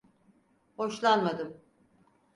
Hoşlanmadım.